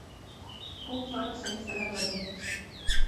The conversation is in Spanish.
Un faro se ha instalado allí.